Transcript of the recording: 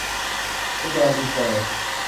สแกน อินเตอร์